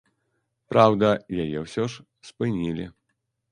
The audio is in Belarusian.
Праўда, яе ўсё ж спынілі.